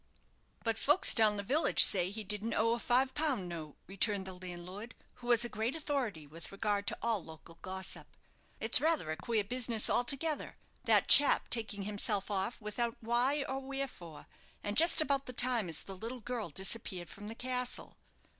"But folks down the village say he didn't owe a five pound note," returned the landlord, who was a great authority with regard to all local gossip. "It's rather a queer business altogether, that chap taking himself off without why or wherefore, and just about the time as the little girl disappeared from the castle."